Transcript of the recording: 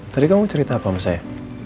tadi kamu cerita apa sama saya